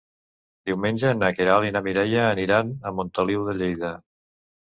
Diumenge na Queralt i na Mireia aniran a Montoliu de Lleida.